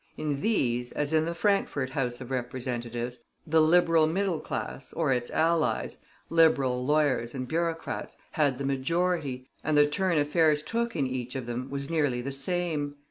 In these, as in the Frankfort House of Representatives, the Liberal middle class, or its allies, liberal lawyers, and bureaucrats had the majority, and the turn affairs took in each of them was nearly the same.